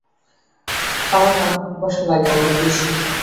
আমার পানির পিপাসা লাগে অনেক বেশি।